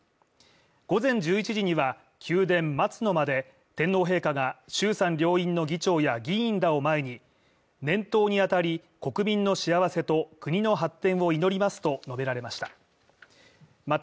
午前１１時には宮殿・松の間で天皇陛下が衆参両院の議長や議員らを前に年頭に当たり、国民の幸せと国の発展を祈りますと述べられました。